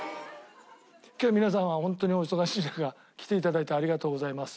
「今日は皆様ホントにお忙しい中来て頂いてありがとうございます」。